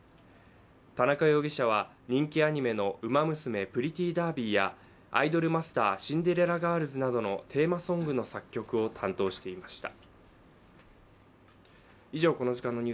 田中容疑者は人気アニメの「ウマ娘プリティダービー」や「アイドルマスターシンデレラガールズ」などのテーマソングの作曲を担当していました。